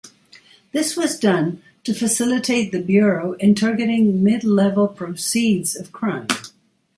This was done to facilitate the Bureau in targeting mid-level proceeds of crime.